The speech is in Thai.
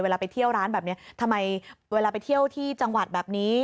ไปเที่ยวร้านแบบนี้ทำไมเวลาไปเที่ยวที่จังหวัดแบบนี้